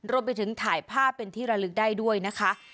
รวมไปถึงถ่ายภาพเป็นที่ระลึกได้ด้วยนะคะ